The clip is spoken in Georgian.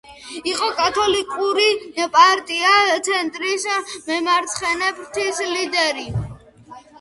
იყო კათოლიკური პარტია „ცენტრის“ მემარცხენე ფრთის ლიდერი.